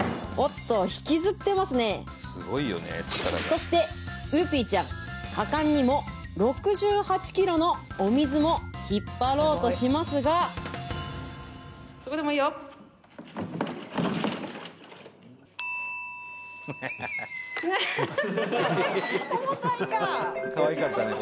そしてウーピーちゃん果敢にも６８ｋｇのお水も引っ張ろうとしますがそこでもいいよ重たいかかわいかったね